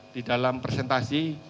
di dalam presentasi